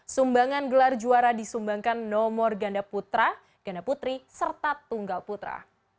sumbangan gelar juara disumbangkan nomor ganda putra ganda putri serta tunggal putra